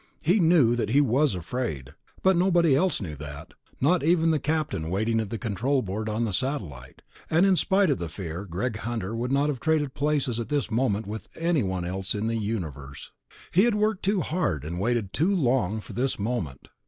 He knew he was afraid ... but nobody else knew that, not even the captain waiting at the control board on the satellite, and in spite of the fear Greg Hunter would not have traded places at this moment with anyone else in the universe. He had worked too hard and waited too long for this moment.